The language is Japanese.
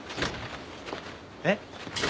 「えっ？」